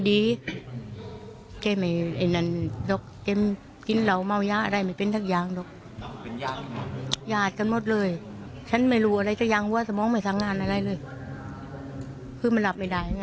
ที่จะเผาศพทั้ง๔คนเมื่อไหร่ด้วยนะครับ